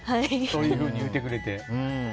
そういうふうに言うてくれて。